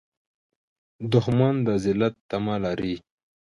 دښمن د ذلت تمه لري